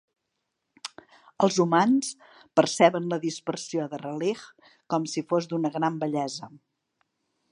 Els humans perceben la dispersió de Raleigh com si fos d'una gran bellesa.